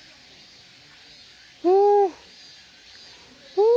うん。